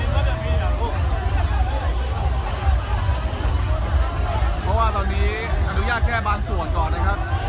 เพราะว่าตอนนี้อนุญาตแค่บางส่วนก่อนนะครับ